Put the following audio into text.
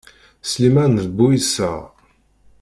Sliman, d bu iseɣ.